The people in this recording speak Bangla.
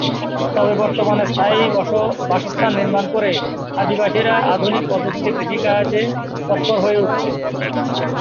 তবে বর্তমানে স্থায়ী বাসস্থান নির্মাণ করে আদিবাসীরা আধুনিক পদ্ধতিতে কৃষিকাজে তৎপর হয়ে উঠেছে।